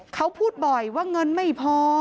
เขาพูดบ่อยว่าเงินไม่พอ